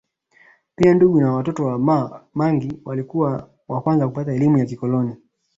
Pia ndugu na watoto wa Ma mangi walikuwa wa kwanza kupata elimu ya kikoloni